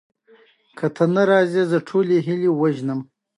د میوو ونې د راتلونکي نسل لپاره دي.